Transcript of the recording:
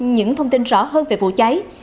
những thông tin rõ hơn về vụ cháy